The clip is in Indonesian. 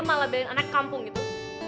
malah bedain anak kampung gitu